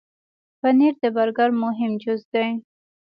پنېر د برګر مهم جز دی.